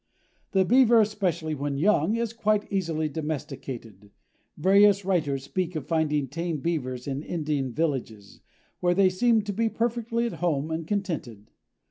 The Beaver, especially when young, is quite easily domesticated. Various writers speak of finding tame Beavers in Indian villages, where they seemed to be perfectly at home and contented.